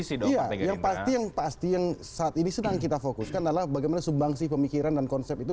sheet yang pasti yang saat ini senang kita fokuskan adalah bagaimana sublmesi pemikiran dan konsep itu